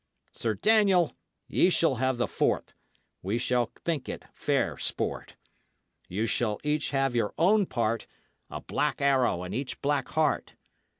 Sir Daniel, ye shull have the fourt; We shall think it fair sport. Ye shull each have your own part, A blak arrow in each blak heart.